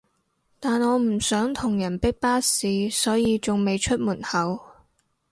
但我唔想同人逼巴士所以仲未出門口